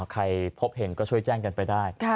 ใครพบเห็นก็ช่วยแจ้งกันไปได้